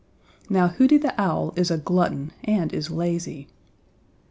Now Hooty the Owl is a glutton and is lazy.